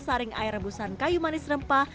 saring air rebusan kayu manis rempah